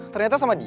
ternyata sama dia